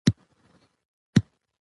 د هیواد تاریخ په زرینو کرښو لیکل شوی.